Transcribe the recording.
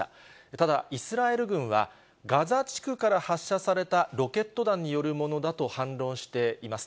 ただ、イスラエル軍はガザ地区から発射されたロケット弾によるものだと反論しています。